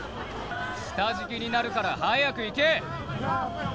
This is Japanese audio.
下敷きになるから、早く行け。